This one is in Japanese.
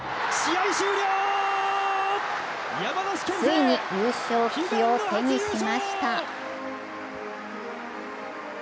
ついに優勝旗を手にしました。